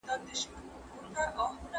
زده کوونکی بايد د ښوونکي درناوی وکړي.